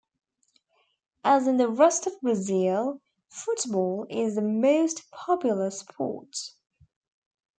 As in the rest of Brazil, football is the most popular sport.